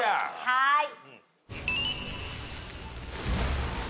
はい。